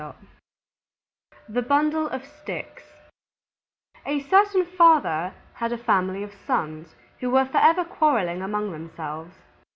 _ THE BUNDLE OF STICKS A certain Father had a family of Sons, who were forever quarreling among themselves.